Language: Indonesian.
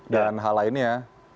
dan hal lainnya